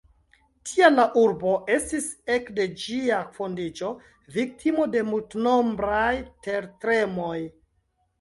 Tial la urbo estis ek de ĝia fondiĝo viktimo de multnombraj tertremoj.